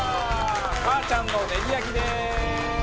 かあちゃんのネギ焼きです。